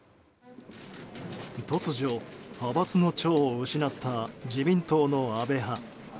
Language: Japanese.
突如、派閥の長を失った自民党の安倍派。